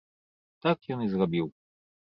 Так ён і зрабіў.